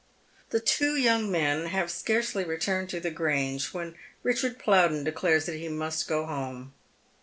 The two young men have scarcely returned to tiie Grange when iiichard Plowden declares that he must go home.